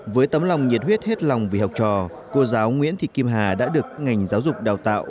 với tấm lòng nhiệt huyết hết lòng vì học trò cô giáo nguyễn thị kim hà đã được ngành giáo dục đào tạo